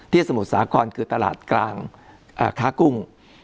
สมุทรสาครคือตลาดกลางค้ากุ้ง